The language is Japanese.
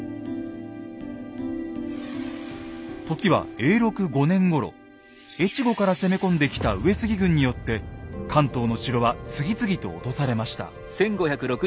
時は越後から攻め込んできた上杉軍によって関東の城は次々と落とされました。